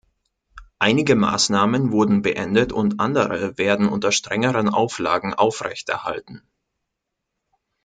Einige Maßnahmen wurden beendet und andere werden unter strengeren Auflagen aufrechterhalten.